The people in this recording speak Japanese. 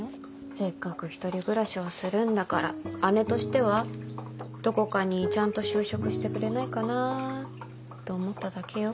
せっかく１人暮らしをするんだから姉としてはどこかにちゃんと就職してくれないかなぁと思っただけよ。